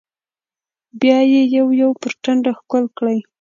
بيا يې يو يو پر ټنډه ښکل کړل.